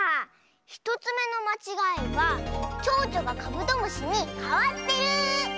１つめのまちがいはちょうちょがカブトムシにかわってる！